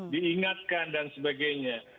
diingatkan dan sebagainya